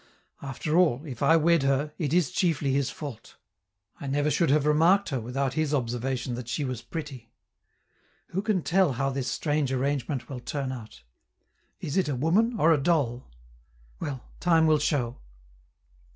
After all, if I wed her, it is chiefly his fault; I never should have remarked her without his observation that she was pretty. Who can tell how this strange arrangement will turn out? Is it a woman or a doll? Well, time will show.